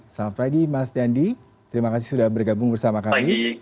selamat pagi mas dandi terima kasih sudah bergabung bersama kami